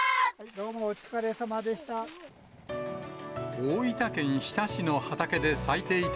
どうもお疲れさまでした。